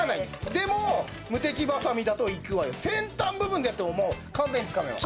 でも、ムテキバサミだと、いくわよ、先端部分でやっても、もう完全につかめます。